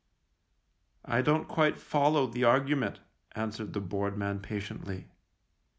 " I don't quite follow the argument," answered the bored man patiently.